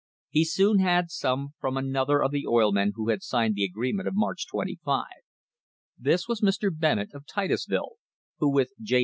He soon had some from another of the oil men who had signed the agreement of March 25. This was Mr. Bennett, of Titusville, who with J.